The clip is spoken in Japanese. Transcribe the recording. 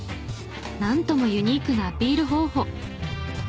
なんともユニークなアピール方法。